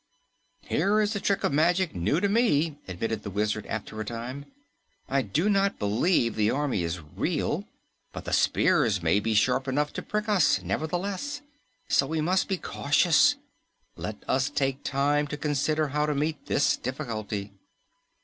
"Here is a trick of magic new to me," admitted the Wizard after a time. "I do not believe the army is real, but the spears may be sharp enough to prick us, nevertheless, so we must be cautious. Let us take time to consider how to meet this difficulty."